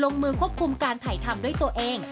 มือควบคุมการถ่ายทำด้วยตัวเอง